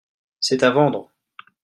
c'est à vendre.